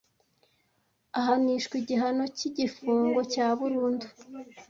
ahanishwa igihano cy igifungo cya burundu